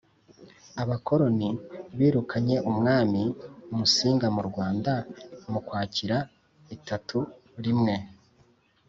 Abakoloni birukanye umwami Musinga mu Rwanda mu Ukwakira itatu rimwe.